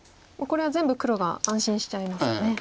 これは全部黒が安心しちゃいますよね。